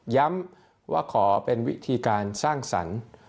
ย้ำว่าขอเป็นวิธีการสร้างสรรค์